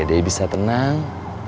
jadi bisa tenang